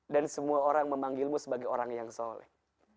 dan semua orang memanggilmu sebagai orang yang soleh